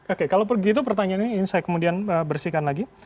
oke kalau begitu pertanyaan ini saya kemudian bersihkan lagi